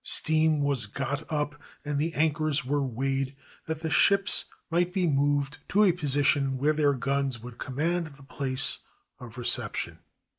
Steam was got up and the anchors were weighed that the ships might be moved to a position where their guns would command the place of reception.